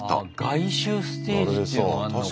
外周ステージっていうのがあんのか。